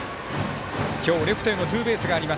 今日、レフトへのツーベースがあります